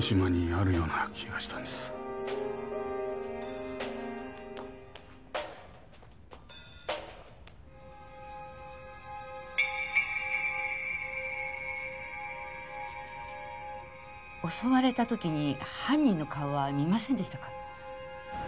襲われた時に犯人の顔は見ませんでしたか？